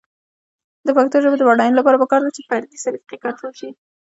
د پښتو ژبې د بډاینې لپاره پکار ده چې فردي سلیقې کنټرول شي.